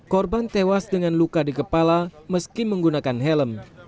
korban tewas dengan luka di kepala meski menggunakan helm